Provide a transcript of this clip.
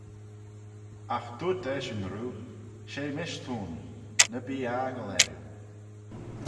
Agh dooyrt eshyn roo, She mish t'ayn, ny bee aggle erriu.